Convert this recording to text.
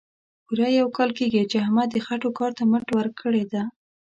پوره یو کال کېږي، چې احمد د خټو کار ته مټ ورکړې ده.